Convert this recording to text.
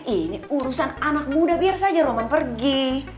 ini urusan anak muda biar saja roman pergi